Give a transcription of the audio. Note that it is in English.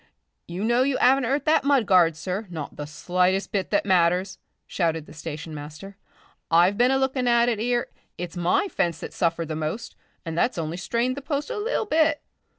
"You know you 'aven't 'urt that mud guard, sir, not the slightest bit that matters," shouted the station master. "I've been a looking at it er. It's my fence that's suffered most. And that's only strained the post a lil' bit.